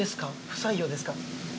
不採用ですか？